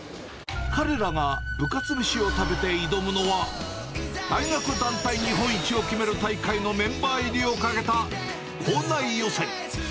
彼らが部活めしを食べて挑むのは、大学団体日本一を決める大会のメンバー入りをかけた校内予選。